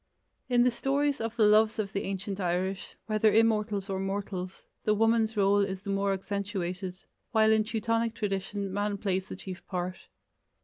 In the stories of the loves of the ancient Irish, whether immortals or mortals, the woman's role is the more accentuated, while in Teutonic tradition man plays the chief part.